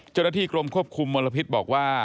เจ้าหน้าที่กรมควบคุมมลพิษบอกว่า